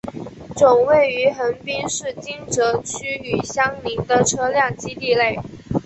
总部位于横滨市金泽区与相邻的车辆基地内。